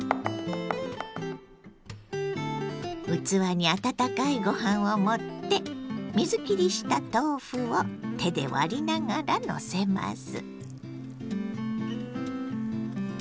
器に温かいご飯を盛って水きりした豆腐を手で割りながらのせます。